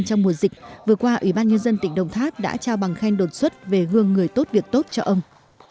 trong mùa dịch vừa qua ủy ban nhân dân tỉnh đồng tháp đã trao bằng khen đột xuất về gương người tốt việc tốt cho ông